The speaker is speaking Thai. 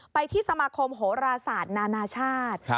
ไปที่สมาคมโหราศาสตร์นานาชาติ